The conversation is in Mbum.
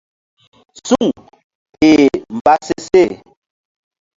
Suŋ peh mba se seh.